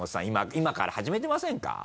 今から始めてませんか？